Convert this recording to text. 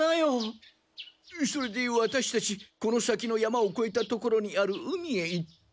それでワタシたちこの先の山をこえた所にある海へ行って。